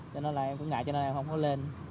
cho nên là em cũng ngại cho nên em không có lên